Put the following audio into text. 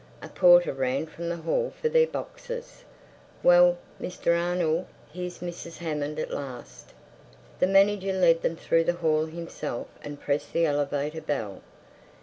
A porter ran from the hall for their boxes. "Well, Mr. Arnold, here's Mrs. Hammond at last!" The manager led them through the hall himself and pressed the elevator bell.